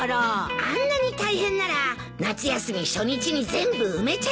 あんなに大変なら夏休み初日に全部埋めちゃえばよかったよ。